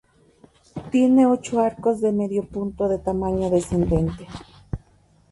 Tiene ocho arcos de medio punto de tamaño descendente.